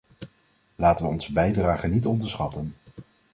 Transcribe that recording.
Laten we onze bijdrage niet onderschatten.